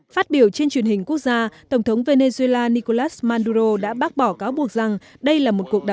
phát biểu trên truyền hình quốc gia tổng thống venezuela nicolas manduro đã bác bỏ cáo buộc rằng đây là một cuộc đàm